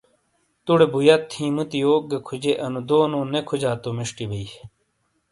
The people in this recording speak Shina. توڈے بویت ہی موتی یوک گہ کھوجے انو دونو نے کھوجا تو میشٹی بئی۔